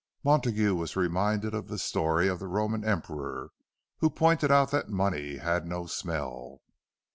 Montague was reminded of the story of the Roman emperor who pointed out that money had no smell.